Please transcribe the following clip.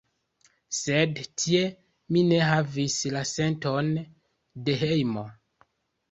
Sed tie mi ne havis la senton de hejmo.